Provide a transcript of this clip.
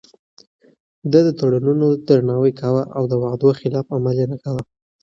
ده د تړونونو درناوی کاوه او د وعدو خلاف عمل يې نه کاوه.